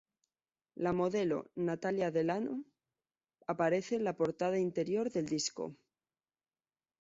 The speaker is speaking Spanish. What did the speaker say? La modelo Natalia DeLano aparece en la portada e interior del disco.